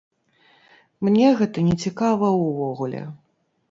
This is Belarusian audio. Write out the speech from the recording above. Мне гэта нецікава ўвогуле.